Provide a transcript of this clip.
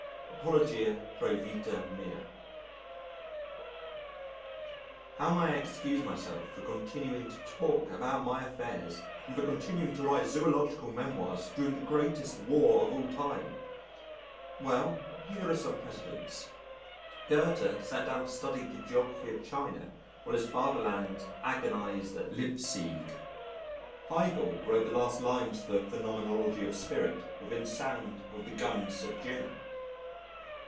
Apologia pro vita mea How may I excuse myself for continuing to talk about my affairs and for continuing to write zoological memoirs during the greatest War of all time? Well, here are some precedents: Goethe sat down to study the geography of China, while his fatherland agonised at Leipsig. Hegel wrote the last lines of the Phenomenology of Spirit within sound of the guns of Jena.